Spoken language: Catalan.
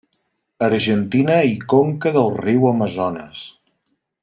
Argentina i conca del riu Amazones.